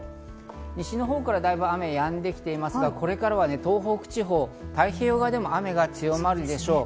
西のほうから、だいぶ雨がやんできていますが、これからは東北地方、太平洋側でも雨が強まるでしょう。